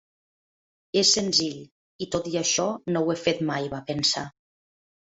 És senzill i, tot i això, no ho he fet mai, va pensar.